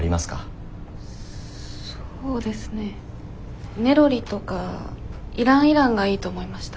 そうですねネロリとかイランイランがいいと思いました。